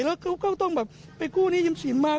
แล้วก็ต้องแบบไปกู้นี้ย่ำฉินมา